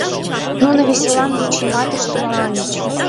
Нуно веселан вычыматаш тӱҥальыч.